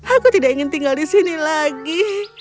aku tidak ingin tinggal di sini lagi